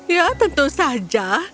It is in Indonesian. ya tentu saja